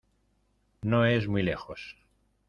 No es muy lejos.